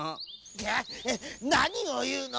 いやなにをいうの？